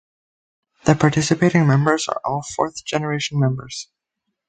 The participating members are all fourth generation members.